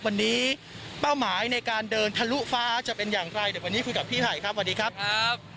วันนี้เป้าหมายในการเดินทะลุฟ้าจะเป็นอย่างไรเดี๋ยววันนี้คุยกับพี่ไผ่ครับสวัสดีครับ